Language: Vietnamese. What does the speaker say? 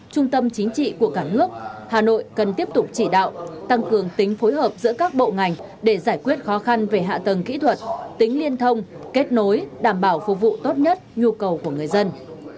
trung tâm chính trị của cả nước hà nội cần tiếp tục chỉ đạo tăng cường tính phối hợp giữa các bộ ngành để giải quyết khó khăn về hạ tầng kỹ thuật tính liên thông kết nối đảm bảo phục vụ tốt nhất nhu cầu của người dân